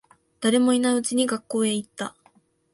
誰もいないうちに学校へ行った。